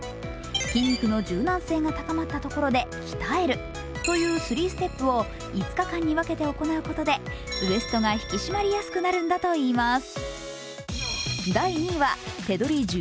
筋肉の柔軟性が高まったところで鍛える。というスリーステップを５日間にわけて行うことでウエストが引き締まりやすくなるんだといいます。